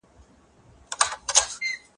الله تعالی خلک تر مړيني وروسته څنګه را ژوندي کوي؟